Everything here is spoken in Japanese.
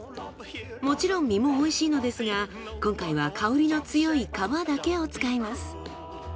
もちろん実も美味しいのですが今回は香りの強い皮だけを使います。